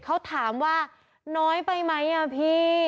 เขาถามว่าน้อยไปไหมอ่ะพี่